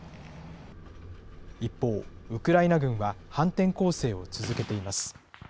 一方、ウクライナ軍は反転攻勢を続けています。